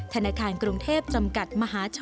ธนาคารกรุงเทพจำกัดมหาชน